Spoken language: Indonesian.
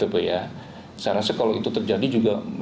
saya rasa kalau itu terjadi juga